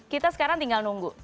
kita sekarang tinggal nunggu